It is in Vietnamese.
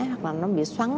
hoặc là nó bị xoắn